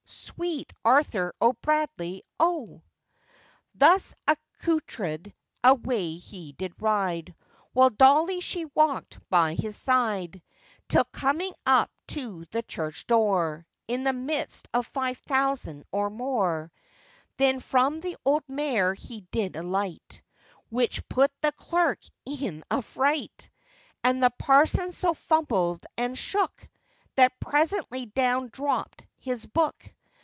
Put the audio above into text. Sweet Arthur O'Bradley, O! Thus accoutred, away he did ride, While Dolly she walked by his side; Till coming up to the church door, In the midst of five thousand or more, Then from the old mare he did alight, Which put the clerk in a fright; And the parson so fumbled and shook, That presently down dropped his book.